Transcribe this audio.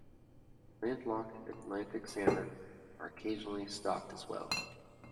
Landlocked Atlantic salmon are occasionally stocked as well.